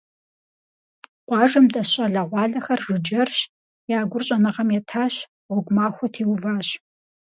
Къуажэм дэс щӀалэгъуалэхэр жыджэрщ, я гур щӀэныгъэм етащ, гъуэгу махуэ теуващ.